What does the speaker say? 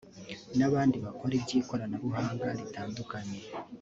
n’abandi bakora iby’ikoranabuhanga ritandukanye